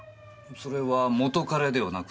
それは元カレではなくて？